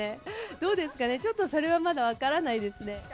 どうですかね、ちょっとそれはまだ分からないですね。